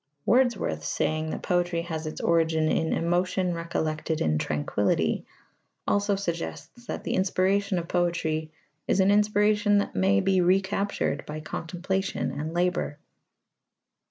Wordsworth's saying that poetry has its origin in "emotion recollected in tranquillity" also suggests that the inspiration of poetry is an inspiration that may be recaptured by contemplation and labour.